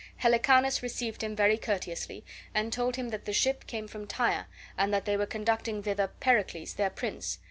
Helicanus received him very courteously and told him that the ship came from Tyre, and that they were conducting thither Pericles, their prince.